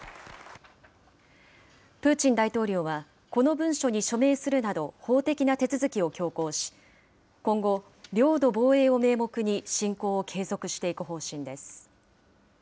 プーチン大統領は、この文書に署名するなど、法的な手続きを強行し、今後、領土防衛を名目に侵攻を継続していく方針です。